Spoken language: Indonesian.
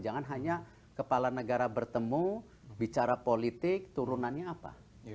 jangan hanya kepala negara bertemu bicara politik turunannya apa